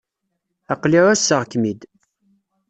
Aql-i ɛusseɣ-kem-id.